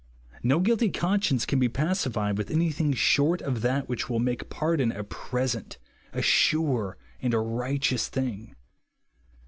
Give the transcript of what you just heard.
No guilty conscience can be pacified with anything short of that which will make pardon a present, a sure, and a righteous thing.